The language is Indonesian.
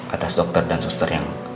atas dokter dan suster yang